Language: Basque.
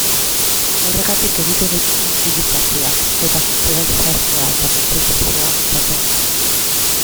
Horregatik egiten ditugu mobilizazioak, eta sozializazioa eta kontzientziazioa bultzatzen dugu.